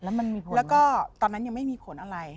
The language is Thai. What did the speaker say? แล้วมันมีผลแล้วก็ตอนนั้นยังไม่มีผลอะไร